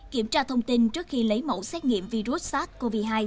kiểm tra thông tin trước khi lấy mẫu xét nghiệm virus sars cov hai